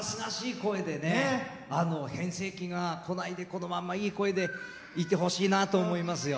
声で変声期がこないでこのままいい声でいてほしいなと思いますよ。